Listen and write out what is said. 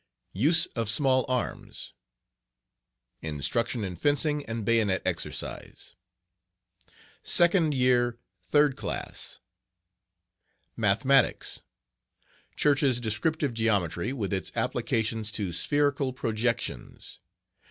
Use of Small Arms.........Instruction in Fencing and Bayonet Exercise. Second Year Third Class. Mathematics...............Church's Descriptive Geometry, with its applications to Spherical Projections.